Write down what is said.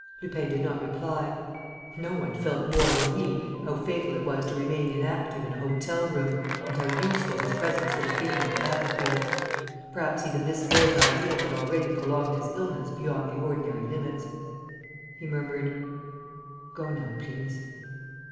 Lupin did not reply. No one felt more than he how fatal it was to remain inactive in a hotel bedroom and how useful his presence would have been on the battlefield! Perhaps even this vague idea had already prolonged his illness beyond the ordinary limits. He murmured: "Go now, please."